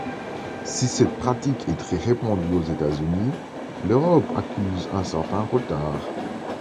Si cette pratique est très répandue aux États-Unis, l’Europe accuse un certain retard.